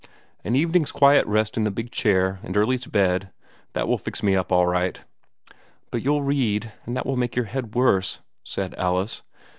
An evening's quiet rest in the big chair, and early to bed that will fix me up all right." "But you'll read; and that will make your head worse," said Alice.